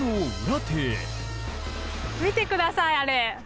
見て下さいあれ。